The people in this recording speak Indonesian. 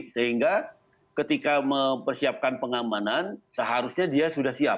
sehingga ketika mempersiapkan pengamanan seharusnya dia sudah siap